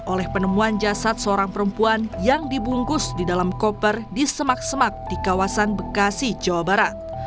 oleh penemuan jasad seorang perempuan yang dibungkus di dalam koper di semak semak di kawasan bekasi jawa barat